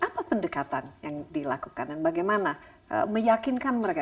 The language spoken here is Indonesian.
apa pendekatan yang dilakukan dan bagaimana meyakinkan mereka